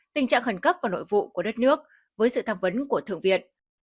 tình trạng khẩn cấp và nội vụ của đất nước với sự tham vấn của thượng viện